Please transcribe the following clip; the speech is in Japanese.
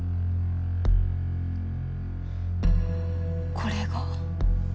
これが。